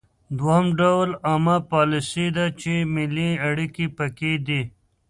دوهم ډول عامه پالیسي ده چې ملي اړیکې پکې دي